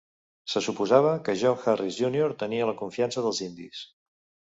Se suposava que John Harris Junior tenia la confiança dels indis.